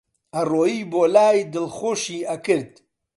ئەڕۆیی بۆلای دڵخۆشی ئەکرد